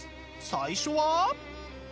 最初は？